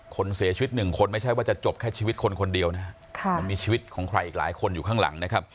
คนเสียชีวิตหนึ่งคนไม่ใช่ว่าจะจบแค่ชีวิตคนคนเดียวนะ